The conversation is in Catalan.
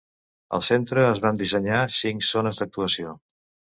Al centre es van dissenyar cinc zones d'actuació.